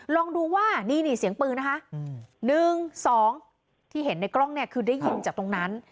ลองดูว่านี่นี่เสียงปืนนะคะ๑๒ที่เห็นในกล้องเนี่ยคือได้ยินจากตรงนั้น